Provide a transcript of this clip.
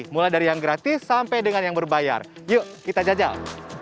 mulai dari yang gratis sampai dengan yang berbayar yuk kita jajal